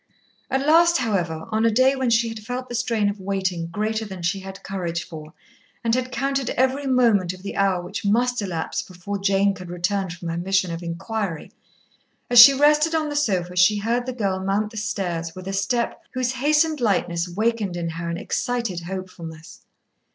At last, however, on a day when she had felt the strain of waiting greater than she had courage for, and had counted every moment of the hour which must elapse before Jane could return from her mission of inquiry, as she rested on the sofa she heard the girl mount the stairs with a step whose hastened lightness wakened in her an excited hopefulness.